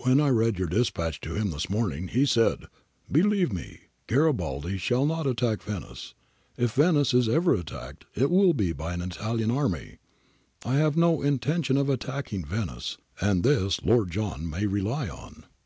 When I read your dispatch to him this morning he said : Be lieve me, Garibaldi shall not attack Venice ;— if Venice is ever attacked it will be by an Italian army. I have no intention of attacking Venice, and this Lord John may rely on.